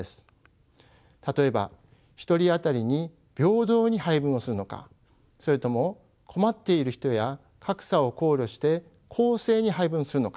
例えば１人当たりに平等に配分をするのかそれとも困っている人や格差を考慮して公正に配分するのか。